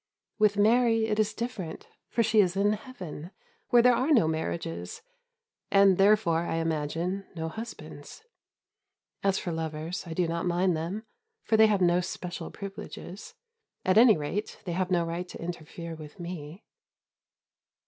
With Mary it is different, for she is in heaven, where there are no marriages, and, therefore, I imagine, no husbands. As for lovers, I do not mind them, for they have no special privileges; at any rate, they have no right to interfere with me.